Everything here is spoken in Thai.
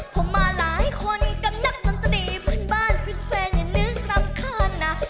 เพราะมาหลายคนกับนักตอนตาดีพันบ้านฟิสแฟนอย่านึกรำคาญ